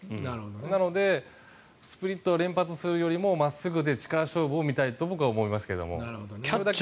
なので、スプリットを連発するよりも真っすぐで力勝負を見たいと僕は思いますけども。